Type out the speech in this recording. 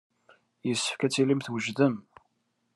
Yessefk ad tilim twejdem.